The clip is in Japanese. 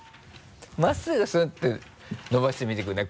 真っすぐスッて伸ばしてみてくれない？